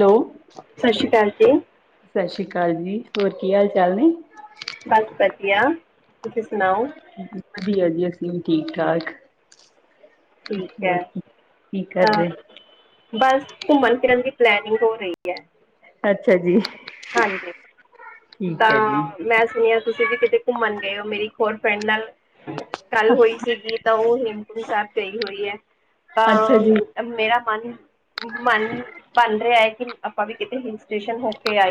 Hello, ਸ਼ਸ ਰੀ ਕਾਲ ਜੀ। ਸਾਸ ਰੀ ਕਾਲ ਜੀ, ਹੋਰ ਕੀ ਹਾਲ- ਚਾਲ ਨੇ। ਸਭ ਵਧੀਆ, ਤੁਸੀਂ ਸੁਣਾਓ ਵਧੀਆ ਜੀ, ਅਸੀ ਵੀ ਠੀਕ- ਠਾਕ। ਠੀਕ ਹੋਰ ਹੈ, ਕੀ ਤਾਂ ਕਰਦੇ ਬਸ ਘੁੰਮਣ ਫਿਰਨ ਦੀ ਪਲੈਨਿੰਗ ਹੋ ਰਈ ਐ। ਅੱਛਾ ਜੀ, ਹਾਂਜੀ, ਠੀਕ ਹੈ ਜੀ, ਤਾਂ ਮੈਂ ਸੁਣਿਆ ਤੁਸੀਂ ਵੀ ਕਿਤੇ ਘੁੰਮਣ ਗਏ ਓ, ਮੇਰੀ ਇਕ ਹੋਰ ਫਰੈਂਡ ਨਾਲ। ਗੱਲ ਹੋਈ ਸੀਗੀ, ਤਾਂ ਓਹ ਹੇਮਕੁੰਟ ਸਾਹਿਬ ਗਈ ਹੋਈ ਐ, ਅੱਛਾ ਜੀ, ਤਾਂ ਮੇਰਾ ਮਨ- ਮਨ ਬਣ ਰਿਆ ਏ, ਕੀ ਆਪਾਂ ਵੀ ਕਿਤੇ ਹਿਲ ਸਟੇਸ਼ਨ ਹੋ ਕੇ ਆਈ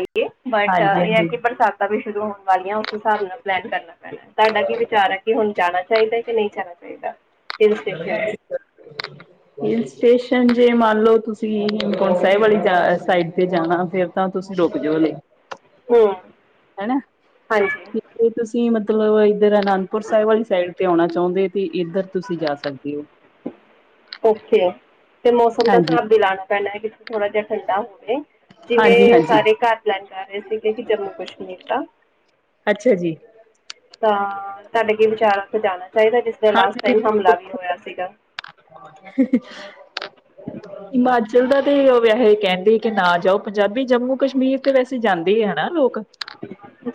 ਬਟ ਹਾਂਜੀ ਇਹ ਐ ਹਾਂਜੀ। ਕਿ ਬਰਸਾਤਾਂ ਵੀ ਸ਼ੁਰੂ ਹੋਣ ਵਾਲੀਆਂ, ਉਸ ਹਿਸਾਬ ਨਾਲ ਪਲੈਨ ਕਰਨਾ। ਤਾਡਾ ਕੀ ਵਿਚਾਰ ਐ, ਕੀ ਹੁਣ ਜਾਣਾ ਚਾਹੀਦਾ ਕਿ ਨਈ ਜਾਣਾ ਚਾਹੀਦਾ। ਹਿਲ ਸਟੇਸ਼ਨ [unintelligible] ਹਿਲ ਸਟੇਸ਼ਨ ਜੇ ਮੰਨ ਲਓ ਤੁਸੀਂ ਹੇਮਕੁੰਡ ਸਾਹਿਬ ਆਲੀ ਸਾਈਡ ਤੇ ਜਾਣਾ, ਫਿਰ ਤਾਂ ਤੁਸੀਂ ਰੁਕ ਜੋ ਹਲੇ। ਹੂੰ, ਹਨਾ, ਹਾਂਜੀ ਤੇ ਤੁਸੀਂ ਮਤਲਬ ਏਧਰ ਅਨੰਦਪੁਰ ਸਾਹਿਬ ਵਾਲੀ ਸਾਈਡ ਤੇ ਆਉਣਾ ਚਾਹੁੰਦੇ। ਤੇ ਏਧਰ ਤੁਸੀਂ ਜਾ ਸਕਦੇ ਓ। ਓਕੇੇ ਐ, ਤੇ ਮੌਸਮ ਦਾ ਹਾਂਜੀ, ਸਾਬ ਵੀ ਲਾਣ ਪਹਿਲਾਂ ਕਿ ਕਿਤੇ ਥੋੜ੍ਹਾ ਜਿਆ ਠੰਡਾ ਹੋਵੇ। ਹਾਂਜੀ, ਜਿਵੇਂ ਹਾਂਜੀ, ਸਾਰੇ ਘਰ ਪਲੈਨ ਕਰ ਰਹੇ ਸੀਗੇ ਕਿ ਜੰਮੂ ਕਸ਼ਮੀਰ ਦਾ। ਅੱਛਾ ਜੀ। ਤਾਂ ਤਾਡਾ ਕੀ ਵਿਚਾਰ ਆ ਓਥੇ ਜਾਣਾ ਚਾਈਦਾ, ਜਿਥੇ ਲਾਸਟ ਟਾਈਮ ਹਮਲਾ ਵੀ ਹਾਂਜੀ ਹੋਇਆ ਸੀਗਾ। [unintelligible] ਹਿਮਾਚਲ ਦਾ ਤੇ ਵੈਹੇ ਕਹਿੰਦੇ ਕਿ ਨਾ ਜਾਓ ਪੰਜਾਬੀ, ਜੰਮੂ ਕਸ਼ਮੀਰ ਤੇ ਵੈਸੇ ਜਾਂਦੇ ਈ ਨਾ ਹਨਾ ਲੋਕ।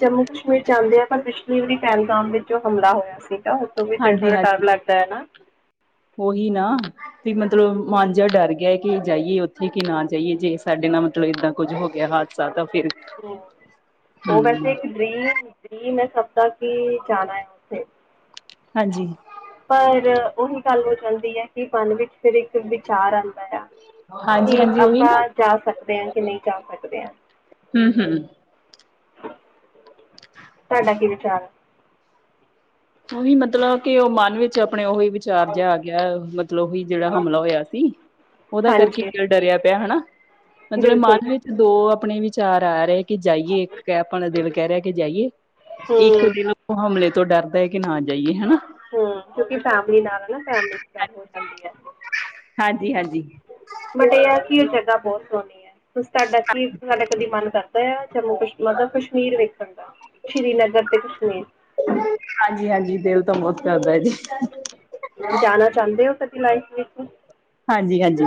ਜੰਮੂ ਕਸ਼ਮੀਰ ਜਾਂਦੇ ਆ, ਪਰ ਪਿਛਲੀ ਵਾਰੀ ਪਹਿਲਗਾਮ ਵਿੱਚ ਜੋ ਹਮਲਾ ਹੋਇਆ ਸੀ। ਨਹਾਉਣ ਤੇ ਵੀ ਤੇ ਥੋੜਾ ਡਰ ਲਗਦਾ ਐ ਨਾ। ਓਹੀ ਨਾ, ਤੇ ਮਤਲਬ ਮਨ ਜਿਆ ਡਰ ਗਿਆ, ਕਿ ਜਾਈਏ ਓਥੇ ਕਿ ਨਾ ਜਾਈਏ, ਜੇ ਸਾਡੇ ਨਾਲ ਮਤਲਬ ਏਦਾਂ ਕੁੱਝ ਹੋ ਗਿਆ ਵਾ। ਸਾਡਾ ਫਿਰ ਹ ਓ ਹਮ ਵੈਸੇ ਇੱਕ ਡਰੀਮ- ਡਰੀਮ ਏ ਸਭ ਦਾ ਕਿ ਜਾਣਾ ਏ। ਹਾਂਜੀ ਪਰ ਉਹੀ ਗੱਲ ਹੋ ਜਾਂਦੀ ਹੈ ਕਿ ਮਨ ਵਿੱਚ ਫਿਰ ਇੱਕ ਵਿਚਾਰ ਆਉਂਦਾ ਆ। ਹਾਂਜੀ ਕਿ ਹਾਂਜੀ ਉਹੀ ਆਪਾਂ ਨਾ ਜਾ ਸਕਦੇ ਹਾਂ ਕਿ ਨਹੀਂ ਜਾ ਸਕਦੇ ਹਾਂ। ਹਮ ਹਮ ਤੁਹਾਡਾ ਕੀ ਵਿਚਾਰ ਹੈ। ਉਹੀ ਮਤਲਬ ਕਿ ਉਹ ਮਨ ਵਿੱਚ ਆਪਣੇ ਉਹੀ। ਚਾਰ ਜਿਹਾ ਆ ਗਿਆ ਮਤਲਬ ਕੀ ਜਿਹੜਾ ਹਮਲਾ ਹੋਇਆ ਸੀ। ਉਹਦਾ ਕਰਕੇ ਹਾਂਜੀ ਦਿਲ ਡਰਿਆ ਪਿਆ ਹਨਾ ਮਤਲਬ ਬਿਲਕੁਲ ਮਨ ਵਿੱਚ ਦੋ ਆਪਣੇ ਵਿਚਾਰ ਆ ਰਹੇ। ਕਿ ਜਾਈਏ ਇੱਕ ਆਪਣਾ ਦਿਲ ਕਹਿ ਰਿਹਾ ਕਿ ਜਾਈਏ, ਇੱਕ ਹੂੰ ਦਿਨ ਉਹ ਹਮਲੇ ਤੋਂ ਡਰ। ਪਤਾ ਹੈ ਕਿ ਨਾ ਜਾਈਏ ਹਨਾ। ਹਮ ਕਿਉਂਕਿ ਫੈਮਿਲੀ ਨਾਲ ਨਾ ਫੈਮਲੀ ਚ ਗੱਲ ਹੋ ਜਾਂਦੀ ਹੈ। ਹਾਂਜੀ-ਹਾਂਜੀ। ਬਟ ਇਹ ਆ ਕਿ ਉਹ ਜਗ੍ਹਾ ਬਹੁਤ ਸੋਹਣੀ ਹੈ, ਤੁਸੀ ਤੁਹਾਡਾ ਕੀ ਕਦੀ ਮਨ ਕਰਦਾ। ਜੰਮੂ ਕਸ਼ ਮਤਲਬ ਕਸ਼ਮੀਰ ਵੇਖਣ ਦਾ ਸ਼੍ਰੀਨਗਰ ਤੇ ਕਸ਼ਮੀਰ। ਹਾਂਜੀ-ਹਾਂਜੀ ਦਿਲ ਤਾਂ ਬਹੁਤ ਕਰਦਾ ਜੀ। ਜਾਣਾ ਚਾਹੁੰਦੇ ਹੋ ਕਦੀ ਲਾਈਫ ਵਿੱਚ। ਹਾਂਜੀ- ਹਾਂਜੀ।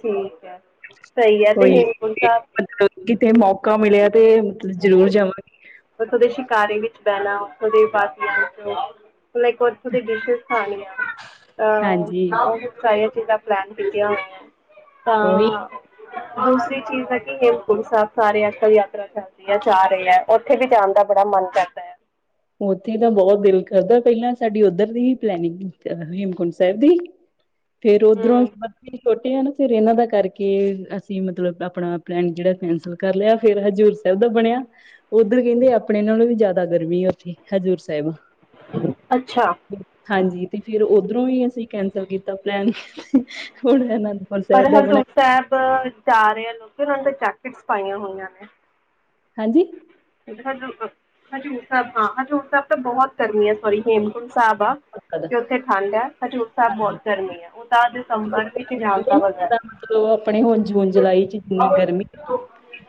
ਠੀਕ ਐ। ਸਈ ਐ ਤੇ ਹੇਮਕੁੰਟ ਸਾਬ- ਮਤਬ ਕਿਤੇ ਮੌਕਾ ਮਿਲਿਆ ਤੇ ਜ਼ਰੂਰ ਜਾਵਾਂਗੇ। ਫੇਰ ਓਦੇ ਸ਼ਿਕਾਰੇ ਵਿੱਚ ਬੈਣਾ ਉਦੇ ਬਾਕੀਆ ਵਿਚੋ। ਫ਼ੇਰ ਇੱਕ ਵਰ- ਓਥੇ ਡਿਸ਼ਸ ਖਾਣੀਆਂ। ਆ ਹਾਂਜੀ ਓ ਸਾਰੀਆਂ ਚੀਜ਼ਾਂ ਪਲੈਨ ਕੀਤੀਆਂ ਹੋਈਆਂ। ਉਹੀ ਹਾਂ ਦੂਸਰੀ ਚੀਜ਼ ਏ ਕਿ ਹੇਮਕੁੰਟ ਸੈਬ ਸਾਰੇ ਅੱਜ ਕੱਲ੍ਹ ਯਾਤਰਾ ਚਲ ਰਹੀ, ਜਾ ਰਹੇ ਉੱਥੇ ਵੀ ਜਾਣ ਦਾ ਬੜਾ ਮਨ ਕਰਦਾ ਏ। ਉੱਥੇ ਤਾਂ ਬਹੁਤ ਦਿਲ ਕਰਦਾ, ਪਹਿਲਾਂ ਸਾਡੀ ਉੱਧਰ ਦੀ ਹੀ ਪਲੈਨਿੰਗ ਸੀ ਹੇਮਕੁੰਟ ਸਾਹਿਬ ਦੀ। ਫੇਰ ਓਧਰੋਂ ਹਮ ਬੱਚੇ ਛੋਟੇ ਹੈ ਨਾ। ਫਿਰ ਇਹਨਾਂ ਦਾ ਕਰਕੇ ਅਸੀਂ ਮਤਲਬ ਆਪਣਾ ਪਲੈਨ ਜਿਹੜਾ ਕੈਂਸਲ ਕਰ ਲਿਆ ਫਿਰ ਹਜ਼ੂਰ ਸਾਹਿਬ ਦਾ ਬਣਿਆ। ਉੱਧਰ ਕਹਿੰਦੇ ਆਪਣੇ ਨਾਲੋਂ ਵੀ ਜ਼ਿਆਦਾ ਗਰਮੀ ਉੱਥੇ ਹਜ਼ੂਰ ਸਾਹਿਬ। ਅੱਛਾ। ਹਾਂਜੀ ਤੇ ਫਿਰ ਓਧਰੋਂ ਵੀ ਅਸੀਂ ਕੈਂਸਲ ਕੀਤਾ ਪਲੈਨ ਹੁਣ ਇਹਨਾਂ ਦਾ। ਪਰ ਹਜ਼ੂਰ ਬਣਾਇਆ ਸਾਹਿਬ ਜਾ ਰਹੇ ਆ ਲੋਕ ਉਹਨਾ ਨੇ ਤਾ ਜੈਕਟਸ ਪਾਈਆਂ ਹੋਈਆਂ ਨੇ। ਹਾਂਜੀ। ਹ ਹਜ਼ੂਰ ਸਾਹਿਬ ਹਾਂ ਹਜ਼ੂਰ ਸਾਹਿਬ ਤਾਂ ਬਹੁਤ ਗਰਮੀ ਆ ਸੋਰੀ ਹੇਮਕੁੰਟ ਸਾਹਿਬ ਆ। ਪੱਕਾ ਦਾ। ਕੀ ਉਥੇ ਠੰਡ ਹੈ ਹਜ਼ੂਰ ਸਾਹਿਬ ਹਾਂਜੀ ਬਹੁਤ ਗਰਮੀ ਹੈ ਤਾ ਦਸੰਬਰ ਵਿਚ ਗੁਰਦੁਆਰਾ ਜਾਣ ਕਹਿੰਦੇ ਦਾ ਨੇ ਮਜ਼ਾ ਹੈ। ਜਿੱਦਾਂ ਮਤਲਬ ਆਪਣੇ ਹੁਣ ਜ ਹੁਣ ਜੁਲਾਈ ਚ ਕਿਨੀ ਗਰਮੀ।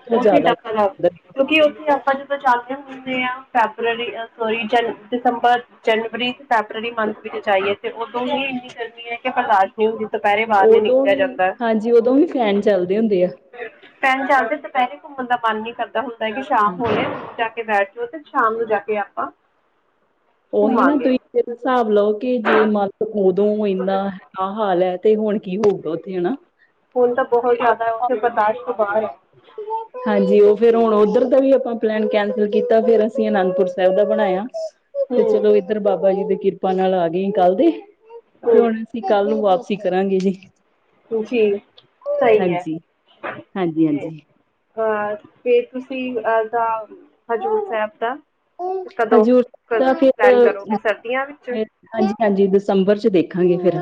ਤੋਂ ਉਥੇ ਜ਼ਿਆਦਾ ਡਬਲ ਹੈ ਗਰਮੀ ਕਿਉ ਕਿ ਆਪਾਂ ਜਦੋ ਜਾਂਦੇਹਾਂ ਦੇਖਦੇ ਹਾਂ ਫੈਬਰਰੀ ਸੋਰੀ ਜਨ ਦਸੰਬਰ। ਜਨਵਰੀ ਫੈਬਰਰੀ ਮੰਥ ਵਿੱਚ ਜਾਈਏ ਤੇ ਉਦੋਨ ਹੀ ਇੰਨੀ ਗਰਮੀ ਹੈ ਕਿ ਬਰਦਾਸ਼। ਗਰਮੀ ਹੁੰਦੀ ਦੁਪਹਿਰੇ ਬਾਹਰ ਉੱਧਰ। ਨੀ ਉਦੋਂ ਨਿਕਲਿਆ ਵੀ ਜਾਂਦਾ। ਹਾਂਜੀ ਉਦੋਂ ਵੀ ਫੈਨ ਚੱਲਦੇ ਹੁੰਦੇ ਆ ਪੈਰ ਚੱਲਦੇ ਦੁਪਹਿਰੇ ਘੁੰਮਣ ਦਾ ਮਨ ਨੀ ਕਰਦਾ ਹੁੰਦਾ ਹੈ ਕਿ ਸ਼ਾਮ ਹਾਂ, ਹੋਲੇ। ਜਾ ਕੇ ਬੈਠ ਜੋ ਤੇ ਸ਼ਾਮ ਨੂੰ ਜਾ ਕੇ ਆਪਾਂ ਉਹੀ ਨਾ ਘੁੰਮਾਂਗੇ ਤੁਸੀਂ ਜੇ ਹਿਸਾਬ ਲਓ ਕਿ ਜੇ ਮਤ ਉਦੋਂ ਇੰਨਾ ਆ ਹਾਲ ਐ। ਤੇ ਹੁਣ ਕੀ ਹੋਊਗਾ ਉੱਥੇ ਹਨਾ। ਹੁਣ ਤਾਂ ਬਹੁਤ ਫਿਰ ਜ਼ਿਆਦਾ ਆਪਾਂ ਉੱਥੇ ਬਰਦਾਸ਼ਤ ਤੋਂ ਬਾਹਰ ਹੈ। [inaudible] [inaudible] ਹਾਂਜੀ ਉਹ ਫਿਰ ਹੁਣ ਓਧਰ ਦਾ ਵੀ ਆਪਾਂ ਪਲੈਨ ਕੈਂਸਲ ਕੀਤਾ ਫਿਰ ਅਸੀਂ ਅਨੰਦਪੁਰ ਸਾਹਿਬ ਦਾ ਬਣਾਇਆ। ਤੇ ਹੂੰ ਚਲੋ ਇੱਧਰ ਬਾਬਾ ਜੀ ਦੀ ਕਿਰਪਾ ਨਾਲ ਆ ਗਏ ਕੱਲ ਦੇ, ਤੇ ਹੁਣ ਅਸੀਂ ਕੱਲ ਨੂੰ ਵਾਪਸ। ਅਸੀਂ ਕਰਾਂਗੇ ਜੀ। ਜੀ ਸਹੀ ਹੈ। ਹਾਂਜੀ ਹਾਂਜੀ ਹਾਂਜੀ। ਅਹ ਫਿਰ ਤੁਸੀਂ ਅਦਾ ਹਜ਼ੂਰ ਸਾਹਿਬ ਦਾ। ਕਦੋਂ ਹਜ਼ੂਰ ਕ ਤਾਂ ਫਿਰ ਪਲੈਨ [inaudible] ਕਰੋਗੇ ਸਰਦੀਆਂ ਵਿੱਚ ਹਾਂਜੀ-ਹਾਂਜੀ ਦਸੰਬਰ ਚ ਦੇਖਾਂਗੇ ਫਿਰ।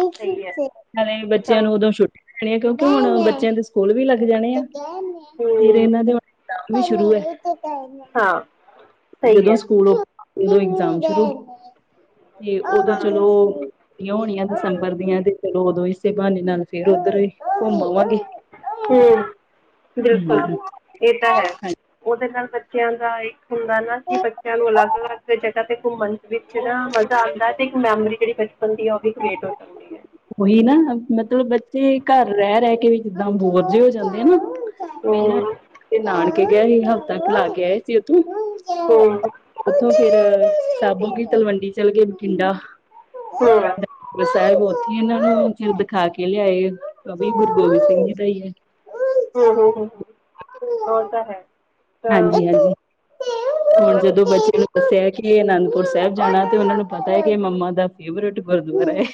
ਸਹੀ ਹੈ ਨਾਲੇ ਬੱਚਿਆਂ ਦਸੰ ਨੂੰ ਉਦੋਂ ਛੁੱਟੀਆਂ ਨੇ ਆ ਕਿਉਂਕਿ ਹੁਣ ਬੱਚਿਆਂ ਦੇ ਸਕੂਲ ਵੀ ਲੱਗ ਜਾਣੇ ਆ। ਫੇਰ ਹੂੰ ਇਹਨਾਂ ਦੇ ਐਕਸਾਮ ਵੀ ਸ਼ੁਰੂ ਹੈ। ਹਾਂ। ਸਹੀ ਜਦੋਂ ਹੈ ਸਕੂਲ ਦੇ ਇਗਜ਼ਾਮ ਸ਼ੁਰੂ ਤੇ ਓਦੋਂ ਹਾਂ ਚਲੋ ਹੋਣੀਆਂ ਦਸੰਬਰ ਦੀਆਂ ਤੇ ਚਲੋ ਉਦੋਂ ਹਿੱਸੇ ਬਹਾਨੇ ਨਾਲ ਫੇਰ ਉੱਧਰ ਹੀ ਘੁੰਮ ਆਵਾਂਗੇ। ਹਮ-ਮ, ਬਿਲਕੁਲ ਹੂੰ ਇਹ ਤਾਂ ਹੈ। ਉਹਦੇ ਨਾਲ ਬੱਚਿਆਂ ਦਾ ਇੱਕ ਹੁੰਦਾ ਨਾ ਕਿ ਹਾਂਜੀ ਬੱਚਿਆਂ ਨੂੰ ਅਲੱਗ -ਅਲੱਗ ਤੇ ਜਗ੍ਹਾ ਤੇ ਘੁੰਮਣ ਵਿੱਚ ਨਾ ਮਜ਼ਾ ਆਦਾਂ ਤੇ ਇੱਕ ਮੈਮਰੀ ਜਿਹੜੀ ਬਚਪਨ ਦੀ ਆ ਉਹ ਵੀ ਕ੍ਰੀਏਟ ਹੋ ਜਾਣ। ਉਹੀ ਨਾ ਮਤਲਬ ਬੱਚੇ ਘਰ ਰਹਿ -ਰਹਿ ਕੇ ਵੀ ਜਿੱਦਾਂ ਬੋਰ ਜੇ ਹੋ ਜਾਂਦੇ ਆ ਨਾ। ਪਹਿਲਾਂ ਹੂੰ [inaudible] ਨਾਨਕੇ ਗਏ ਸੀ ਹਫ਼ਤਾ ਕ ਲਾ ਕੇ ਆਏ ਸੀ ਉੱਥੋਂ। ਹਮ-ਮ। ਉੱਥੋਂ ਫੇਰ ਸਾਬੂ ਕੀ ਤਲਵੰਡੀ ਚਲ ਗਏ ਬਠਿੰਡਾ। ਹਮ-ਮ। ਪਰ ਸਾਹਿਬ ਉੱਥੇ ਇਹਨਾਂ ਨੂੰ ਫਿਰ ਦਿਖਾ ਕੇ ਲਿਆਏ, ਭਾਭੀ ਗੁਰੂ ਗੋਬਿੰਦ ਸਿੰਘ ਜੀ ਦਾ ਈ ਐ। ਹਮ-ਹਮ-ਹਮ ਔ ਤਾਂ ਹੈ। ਤਾਂ ਹਾਂਜੀ-ਹਾਂਜੀ, ਹੁਣ ਮਤਲਬ ਜਦੋਂ ਬੱਚੇ ਕਿ ਨੂੰ ਦੱਸਿਆ ਐ ਕੀ ਅਨੰਦਪੁਰ ਸਾਹਿਬ ਜਾਣਾ ਤੇ ਉਹਨਾ ਨੂੰ ਪਤਾ ਹੈ, ਕਿ ਇਹ ਮੰਮਾ ਦਾ ਫੇਵਰੇਟ ਗੁਰਦੁਆਰਾ ਹੈ।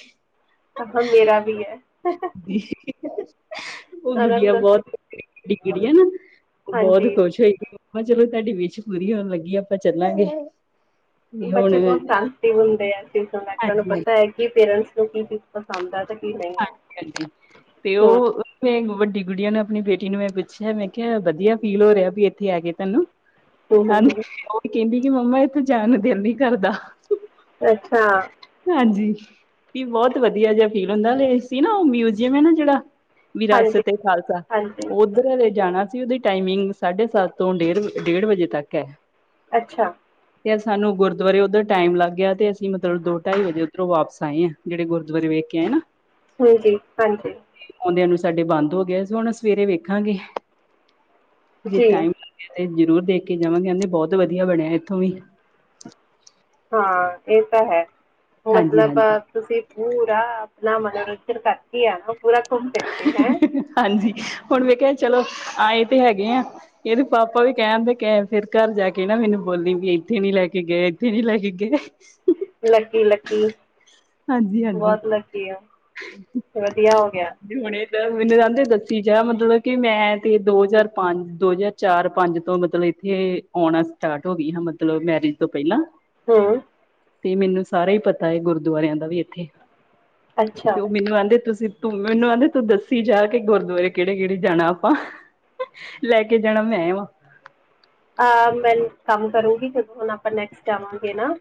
ਅਹੋ ਮੇਰਾ ਵੀ ਐ। [inaudible] ਉਹ ਉਹਨਾਂ ਨੂੰ ਗੁੱਡੀਆਂ ਦੱਸੋ ਬਹੁਤ [inaudible] ਗੁੱਡੀਆਂ ਨਾ ਉਹ ਬਹੁਤ ਹਾਂਜੀ ਖੁਸ਼ ਹੋਈ। ਹਾਂ, ਚਲੋ ਤੁਹਾਡੀ ਵਿਸ਼ ਪੂਰੀ ਹੋਣ ਲੱਗੀ ਆ ਆਪਾਂ ਚੱਲਾਂਗੇ। ਹੁਣ ਬੱਚੇ ਬਹੁਤ ਹਾਂਜੀ ਸਾਂਸਟਿਵ ਹੁੰਦੇ ਆ ਚੀਜ਼ਾਂ ਲੈ ਕੇ ਓਨੂੰ ਹਾਂਜੀ ਪਤਾ ਹੈ, ਕਿ ਪੇਰੈਂਟਸ ਨੂੰ ਕੀ-ਕੀ- ਪਸੰਦ ਹੈ ਤੇ ਕੀ ਨਹੀਂ ਹੈ। ਹਾਂਜੀ ਤੇ ਹਮ। ਉਹ ਮੈਂ ਵੱਡੀ ਗੁੱੜੀਆਂ ਨੂੰ ਆਪਣੀ ਬੇਟੀ ਨੂੰ ਮੈਂ ਐ ਪੁੱਛਿਆ ਮੈਂ ਕਿਹਾ, ਵਧੀਆ ਫੀਲ ਹੋ ਰਿਹਾ ਵੀ ਇੱਥੇ ਆਕੇ ਤੁੈਨੂੰ। ਹੂੰ ਹੂੰ ਹਾਂਜੀ ਹੂੰ ਉਹ ਕਹਿੰਦੀ ਕਿ ਮੰਮਾ ਇਥੋ ਜਾਣ ਨੂ ਦਿਲ ਨੀ ਕਰਦਾ। ਅੱਛਾ। ਹਾਂਜੀ ਵੀ ਬਹੁਤ ਵਧੀਆ ਜਾ ਫੀਲ ਹੁੰਦਾ ਸੀ ਨਾ ਉਹ ਮਿਊਜ਼ਅਮ ਹੈ ਨਾ ਜਿਹੜਾ ਹਾਂਜੀ, ਵਿਰਾਸਤ- ਏ- ਖਾਲਸਾ ਹਾਂਜੀ, ਉੱਧਰ ਹਲੇ ਜਾਣਾ। ਉਹਦੀ ਟਾਈਮਿੰਗ ਸਾਢੇ ਸੱਤ ਤੋਂ ਡੇਢ -ਡੇਢ ਵਜੇ ਤੱਕ ਹੈ। ਅੱਛਾ। ਤੇ ਸਾਨੂੰ ਗੁਰਦੁਆਰੇ ਉੱਧਰ ਟਾਈਮ ਲੱਗ ਗਿਆ ਤੇ ਅਸੀਂ ਮਤਲਬ ਦੋ ਢਾਈ ਵਜੇ ਉੱਧੋਂ ਵਾਪਸ ਆਏ ਆ, ਜਿੜੇ ਗੁਰਦਆਰੇ ਵੇਖ ਆਏ ਨਾ। ਹੁਂਜੀ ਹਾਂਜੀ। ਆਂਓਦਿਆਂ ਨੂੰ ਸਾਡੇ ਬੰਦ ਹੋ ਗਿਆ ਸੀ ਹੁਣ ਸਵੇਰੇ ਵੇਖਾਂਗੇ, ਜੇ ਜੀ, ਟਾਈਮ ਤੇ ਜ਼ਰੂਰ ਦੇਖ ਕੇ ਜਾਵਾਂਗੇ ਆਦੇਂ ਬਹੁਤ ਵਧੀਆ ਬਣਿਆ ਇੱਥੋਂ ਵੀ ਹਾਂ ਇਹ ਤਾਂ ਹੈ, ਹਾਂਜੀ ਮਤਲਬ ਹਾਂਜੀ ਆ ਤੁਸੀਂ ਪੂਰਾ ਆਪਣਾ ਮਨੋਰੰਜਨ ਕਰਕੇ ਆਏ ਹੋ, ਪੂਰਾ ਘੁੰਮ ਫਿਰਕੇ ਹੈਂ। ਹਾਂਜੀ, ਹੁਣ ਮੈਂ ਕਿਆ ਚਲੋ, ਆਏ ਤੇ ਹੈਗੇ ਆਂ। ਇਹਦੇ ਪਾਪਾ ਵੀ ਕਹਿਣ ਦੇ ਕਹਿਣ, ਫਿਰ ਘਰ ਜਾ ਕੇ ਨਾ ਮੈਨੂੰ ਬੋਲੀ ਵੀ ਇੱਥੇ ਨੀ ਲੈ ਕੇ ਗਏ-ਇੱਥੇ ਨੀ ਲੈ ਕੇ ਗਏ। ਹ। ਲੱਕੀ -ਲੱਕੀ ਹਾਂਜੀ ਹਾਂਜੀ ਬਹੁਤ ਲੱਕੀ ਔ ਵਧੀਆ ਹੋ ਗਿਆ। ਹੁਣੇ ਤਾਂ ਮੈਨੂੰ ਕਹਿੰਦੇ ਦੱਸੀ ਜਾ ਮਤਲਬ ਕਿ ਮੈਂ ਤੇ ਦੋ ਹਜ਼ਾਰ ਪੰਜ, ਦੋ ਹਜ਼ਾਰ ਚਾਰ - ਪੰਜ ਤੋਂ ਮਤਲਬ ਇੱਥੇ ਆਉਣਾ ਸਟਾਰਟ ਹੋ ਗਈ ਸਾ ਮਤਲਬ ਮੈਰਿਜ ਤੋਂ ਪਹਿਲਾ। ਹਮ। ਤੇ ਮੈਨੂੰ ਸਾਰਾ ਹੀ ਪਤਾ ਐ ਗੁਰਦੁਆਰਿਆਂ ਦਾ ਵੀ ਇੱਥੇ। ਅੱਛ। ਤੇ ਉਹ ਮੈਨੂੰ ਆਂਦੇ ਤੁਸੀਂ ਤੂੰ ਮੈਨੂੰ ਆਂਦੇ ਤੂੰ ਦੱਸੀ ਜਾ ਕੇ ਗੁਰਦੁਆਰੇ ਕਿਹੜੇ -ਕਿਹੜੇ ਜਾਣਾ ਆਪਾਂ। ਲੈ ਕੇ ਜਾਣਾ ਮੈਂ ਵਾਂ। ਅਹ ਮੈਂ ਕੰਮ ਕਰੂੰਗੀ ਜਦੋਂ ਹੁਣ ਆਪਾਂ ਨੈਕਸਟ ਆਵਾਂਗੇ ਨਾ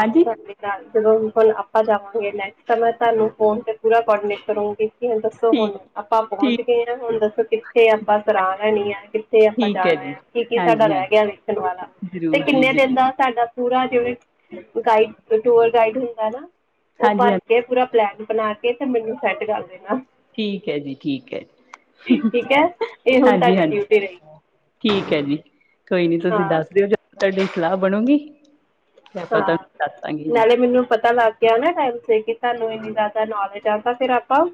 ਹਾਂਜੀ ਨਾਲ ਜਦੋਂ ਹੁਣ ਆਪਾਂ ਜਾਵਾਂਗੇ ਨੈਕਸਟ ਮੈਂ ਤੁਹਾਨੂੰ ਫੋਨ ਤੇ ਪੂਰਾ ਕੋਰਡੀਨੇਟ ਕਰੂੰਗੀ। ਹ ਦੱਸੋ ਠੀਕ ਹੁਣ ਆਪਾ ਪਹੁੰਚ ਠੀਕ ਗਏ ਹਾਂ ਹੁਣ ਦੱਸੋ ਕਿੱਥੇ ਆਪਾ ਸਰਾਂ ਲੈਣੀ ਹ, ਕਿੱਥੇ ਆਪਾਂ ਠੀਕ ਜਾ ਹੈ ਹਾਂਜੀ ਸਾਡਾ ਰਹਿ ਗਿਆ ਹਾਂਜੀ ਵੇਖਣ ਵਾਲਾ ਤੇ ਜ਼ਰੂਰ ਜੀ ਕਿੰਨੇ ਦਿਨ ਜ਼ਰੂਰ ਦਾ ਸਾਡਾ ਪੂਰਾ ਜਿਵੇ ਗਾਈਡ ਟੂਅਰ ਗਾਈਡ ਹੁੰਦਾ ਨਾ ਉਹ ਹਾਂਜੀ ਬੰਦ ਹਾਂਜੀ ਏ ਪੂਰਾ ਪਲੈਨ ਬਣਾ ਕੇ ਤੇ ਮੈਨੂੰ ਸੈਂਡ ਕਰ ਦੇਣਾ। ਠੀਕ ਹੈ ਜੀ ਠੀਕ ਹੈ, ਠੀਕ ਹੈ ਇਹ ਹੁਣ ਤੁਹਾਡੀ ਹਾਂਜੀ-ਹਾਂਜੀ। ਡਿਊਟੀ ਰਹੀ ਠੀਕ ਹੈ ਜੀ ਕੋਈ ਨੀ ਤੁਸੀਂ ਹਾਂ ਦੱਸ ਦਿਓ ਜਦੋਂ ਤੁਹਾਡੀੇ ਸਲਾਹ ਬਣੂਗੀ। ਤੇ ਆਪਾਂ ਹਾਂ ਤੁਹਾਨੂੰ ਦੱਸ ਦਾਂਗੇ ਜੀ ਨਾਲੇ ਮੈਨੂੰ ਪਤਾ ਲੱਗ ਲੱਗ ਗਿਆ ਟਮ ਸੇ ਕੀ ਤਾਂਨੂੰ ਇੰਨੀ ਜਾਦਾ ਨੌਲੇਜ ਹੈ ਫਿਰ ਆਪਾ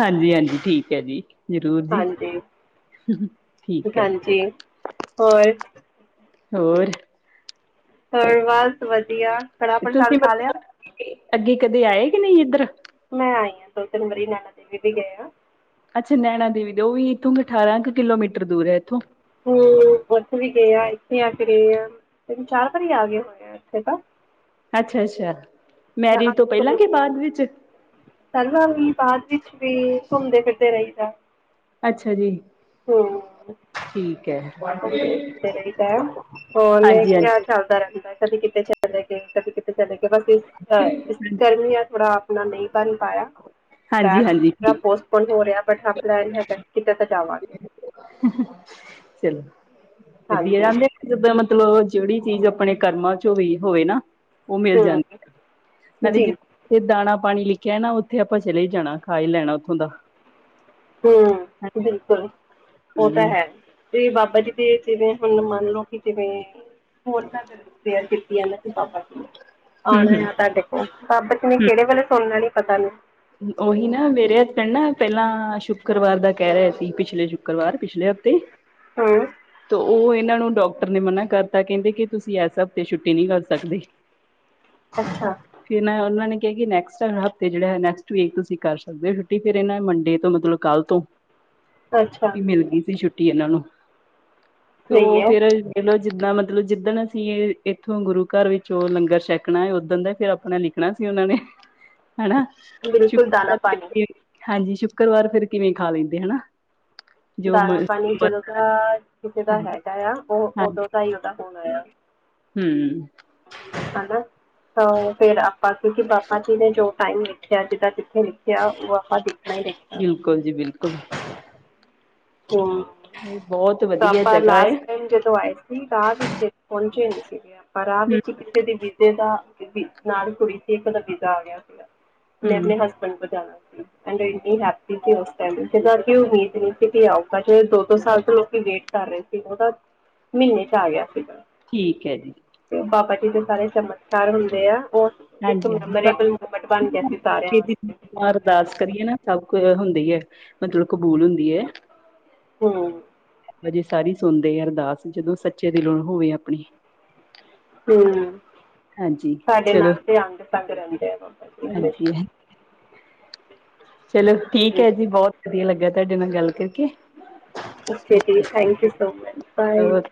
ਹਾਂਜੀ-ਹਾਂਜੀ ਠੀਕ ਹੈ ਜੀ ਜ਼ਰੂਰ ਜੀ। ਹਾਂਜੀ ਠੀਕ ਹੈ। ਹਾਂਜੀ ਹੋਰ ਹੋਰ ਹੋ ਬਸ ਵਧੀਆ ਕੜਾਹ ਪ੍ਰਸ਼ਾਦ ਤੁਸੀਂ ਖਾ ਲਿਆ? ਮਤਲਬ ਅੱਗੇ ਕਦੇ ਆਏ ਕਿ ਨਹੀਂ ਇੱਧਰ। ਮੈਂ ਆਈ ਹਾਂ ਦੋ ਤਿੰਨ ਵਾਰੀ ਨੈਨਾ ਦੇਵੀ ਦੇ ਗਏ ਆਂ। ਅੱਛਾ ਨੈਨਾ ਦੇਵੀ ਦੇ ਉਹ ਵੀ ਇੱਥੋਂ ਅਠਾਰਾਂ ਕੁ ਕਿਲੋਮੀਟਰ ਦੂਰ ਹੈ ਇੱਥੋਂ। ਹਮ ਉੱਥੇ ਵੀ ਗਏ ਆ, ਇੱਥੇ ਆ ਕੇ ਰਹੇ ਆ ਤੈਨੂੰ ਚਾਰ ਵਾਰੀ ਆ ਗਏ ਹੋਏ ਆ ਇੱਥੇ ਤਾਂ। ਅੱਛਾ-ਅੱਛਾ ਮੈਰਿਜ ਤੋਂ ਪਹਿਲਾਂ ਕੇ ਬਾਦ ਵਿੱਚ? ਸਰਵਾ ਵੀ ਬਾਅਦ ਵਿੱਚ ਵੀ ਘੁੰਮਦੇ ਫਿਰਦੇ ਰਹੀਦਾ। ਅੱਛਾ ਜੀ। ਹਮ ਠੀਕ ਹੈ। ਘੁੰਮਦੇ ਫਿਰਦੇ ਰਹੀਦਾ ਹਾਂਜੀ ਹਾਂਜੀ [unintelligible] ਚੱਲਦਾ ਰਹਿੰਦਾ ਕਦੀ ਕਿਤੇ ਚਲੇ ਗਏ, ਕਦੀ ਕਿਤੇ ਚਲੇ ਗਏ ਬਸ ਇਹ ਅ ਇਸ ਗਰਮੀਆਂ ਥੋੜਾ ਆਪਣਾ ਨਹੀਂ ਬਣ ਪਾਇਆ ਹਾਂਜੀ ਹਾਂਜੀ [unintelligible] ਠੀਕ ਹੁਣ ਹੋ ਰਿਹਾ ਬਟ ਹਾਂ ਪਲੈਨ ਹੈਗਾ ਕਿਤੇ ਤਾਂ ਜਾਵਾਂਗੇ। ਚਲੋ ਤੇ [unintelligible] ਹਾਂਜੀ, ਜਿੱਦਾਂ ਮਤਲਬ ਜਿਹੜੀ ਚੀਜ਼ ਆਪਣੇ ਕਰਮਾਂ ਚੋਂ ਵੀ ਹੋਵੇ ਨਾ ਉਹ ਮਿਲ ਜਾਂਦੇ, ਹੂੰ ਨਾਲੇ ਜੀ, ਜਿ ਤੇ ਦਾਣਾ ਪਾਣੀ ਲਿਖਿਆ ਨਾ ਉੱਥੇ ਆਪਾਂ ਚਲੇ ਹੀ ਜਾਣਾ ਖਾ ਹੀ ਲੈਣਾ ਉੱਥੋਂ ਦਾ। ਹਮ ਬਿਲਕੁਲ ਉਹ ਹੂੰ, ਤਾਂ ਹੈ। ਤੇ ਬਾਬਾ ਜੀ ਦੇ ਜਿਵੇਂ ਹੁਣ ਮੰਨ ਲਓ ਕਿ ਜਿਵੇਂ ਹੋਰ [unintelligible] ਹੂੰ, ਹੂੰ, ਆਉਣਾ ਆ ਹੂੰ। ਤਾਂ ਦੇਖੋ ਬਾਬਾ ਕਿਵੇ ਕਿਹੜੇ ਵੇਲੇ ਸੁਣਨੀ ਪਤਾ ਨੀ। ਉਹੀ ਨਾ ਮੇਰੇ ਹਸਬੈਂਡ ਨਾ ਪਹਿਲਾਂ ਸ਼ੁੱਕਰਵਾਰ ਦਾ ਕਹਿ ਰਿਹਾ ਸੀ ਪਿਛਲੇ ਸ਼ੁੱਕਰਵਾਰ ਪਿਛਲੇ ਤੇ ਹਮ ਤੇ ਉਹ ਇਹਨਾਂ ਨੂੰ ਡਾਕਟਰ ਨੇ ਮਨਾ ਕਰਤਾ ਕਹਿੰਦੇ ਕਿ, ਤੁਸੀਂ ਇਸ ਹਫ਼ਤੇ ਛੁੱਟੀ ਨਹੀਂ ਕਰ ਸਕਦੇ [unintelligible] ਅੱਛਾ ਫ ਮੈਂ ਉਹਨਾਂ ਨੇ ਕਿਹਾ ਨੈਸਟ ਟਾਈਮ ਹਫ਼ਤੇ ਜਿੜਾ ਨੈਟ ਤੁਸੀਂ ਕਰ ਸਕਦੇ ਹੋ ਛੁੱਟੀ, ਫੇਰ ਇਹਨਾਂ ਮੰਡੇ ਤੋਂ ਮਤਲਬ ਕੱਲ ਤੋਂ ਅੱਛਾ ਵੀ ਮਿਲ ਗਈ ਸੀ ਛੁੱਟੀ ਇਹਨਾਂ ਨੂੰ, ਤੇ ਸਹੀ ਉਹ ਹੈ ਫੇਰ ਕਹਿਲੋ ਜਿੱਦਾਂ ਮਤਲਬ ਜਿੱਦਣ ਅਸੀਂ ਇੱਥੋਂ ਗੁਰੂ ਘਰ ਵਿਚੋ ਉਹ ਲੰਗਰ ਛਕਣਾ ਓਦਣ ਦਾ ਫਿਰ ਆਪਣਾ ਲਿਖ ਦੇਖਣਾ ਸੀ ਉਹਨਾਂ ਨੇ ਹਨਾ ਬਿਲਕੁਲ ਦਾਣਾ ਪਾਣੀ [inaudible] ਹਾਂਜੀ ਸ਼ੁੱਕਰਵਾਰ ਫਿਰ ਕਿਵੇਂ ਖਾ ਲਈਦੇ ਹਨਾ। ਜੋ ਮ ਦਾਣਾ ਪਾਣੀ ਜਦੋਂ ਦਾ ਕਿਸੇ ਦਾ ਹਾਂਜੀ ਹੈਗਾ ਆ ਉਹ ਹਾਂਜੀ ਉਦੋਂ ਦਾ ਹੀ ਉਹਦਾ ਹੋਣਾ ਆ। ਹਮ ਹਨਾ ਤਾਂ ਫੇਰ ਆਪਾਂ ਕਿਉਂਕਿ ਬਾਬਾ ਜੀ ਨੇ ਜੋ ਟਾਈਮ ਆ ਜਿੱਦਾਂ ਜਿੱਥੇ ਦੇਖਿਆ ਉਹ ਆਪਾਂ ਦੇਖਣਾ ਹੀ ਰਖਿਆ ਬਿਲਕੁਲ ਜੀ ਬਿਲਕੁਲ ਹਮ ਇਹ ਬਹੁਤ ਵਧੀਆ ਆਪਾਂ ਜਗ੍ਹਾ ਹੈ ਲਾਸਟ ਟਮ ਜਦੋਂ ਆਏ ਸੀ ਰਾਹ ਵਿੱਚ ਪਹੁੰਚੇ ਨੀ ਸੀਗੇ ਆਪਾਂ ਰਾਹ ਹਮ ਵਿੱਚ ਕਿਸੇ ਦੀ ਬਜੇ ਦਾ ਨਾਲ ਕੁੜੀ ਉਹਦਾ ਬੀਜ਼ਾ ਆ ਗਿਆ ਸੀਗਾ ਉਹਨੇ ਹਮ ਆਪਣੇ ਹ ਐਮ ਵੈਰੀ ਹੈਪੀ ਕਿ ਉਸ ਟਾਇਮ ਜਦ ਕਿ ਇਹ ਉਮੀਦ ਨਹੀਂ ਸੀ ਕਿ ਓ ਆਓ। ਅਜੇ ਦੋ ਦੋ ਸਾਲ ਤੋਂ ਲੋਕੀ ਵੇਟ ਕਰ ਰਹੇ ਸੀ, ਉਹ ਤਾਂ ਮਹੀਨੇ ਚ ਆ ਗਿਆ ਸੀਗਾ। ਠੀਕ ਏ ਜੀ। ਬਾਬਾ ਜੀ ਦੇ ਸਾਰੇ ਚਮਤਕਾਰ ਹੁੰਦੇ ਆ ਓ। ਇੱਕ ਹਾਂਜੀ ਬਸ ਮੈਮੋਰੇਬਲ ਮੂਮੈਂਟ ਬਣ ਗਿਆ ਸੀ ਸਾਰਿਆਂ ਵਾਸਤੇ। ਅਰਦਾਸ ਕਰੀਏ ਨਾ ਸਭ ਕੁ ਹੁੰਦੀ ਏ, ਮਤਲਬ ਕਬੂਲ ਹੁੰਦੀ ਏ। ਹੂ ਵਜੇ ਸਾਰੀ ਸੁਣਦੇ ਅਰਦਾਸ ਜਦੋਂ ਸੱਚੇ ਦਿਲੋਂ ਹੋਵੇ ਆਪਣੀ। ਹੂ। ਹਾਂਜੀ ਸਾਡੇ ਚਲੋ ਨਾਲ ਤੇ ਅੰਗ ਤਗ ਰਹਿੰਦੇ ਹੈ ਬਾਬਾ ਜੀ ਹਾਂਜੀ ਹਮੇਸ਼ਾ ਚਲੋ ਠੀਕ ਹੈ ਜੀ ਬਹੁਤ ਵਧੀਆ ਲੱਗਾ ਤੁਹਾਡੇ ਨਾਲ ਗੱਲ ਕਰਕੇ ਓਕੇ ਠੀਕ ਜੀ ਥੈਂਕ ਯੂ ਹੈ ਸੋ ਮਚ ਬਾਏ। ਓਕੇ